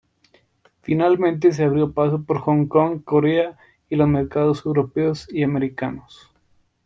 Finalmente, se abrió paso por Hong Kong, Corea, y los mercados europeos y americanos.